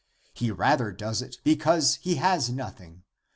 He rather does it be cause he has nothing.